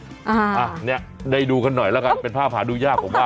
อ่าเนี่ยได้ดูกันหน่อยแล้วกันเป็นภาพหาดูยากผมว่า